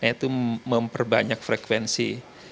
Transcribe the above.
nah itu memperbanyak frekuensi